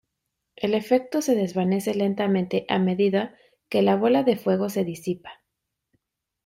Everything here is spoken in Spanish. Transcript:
El efecto se desvanece lentamente a medida que la bola de fuego se disipa.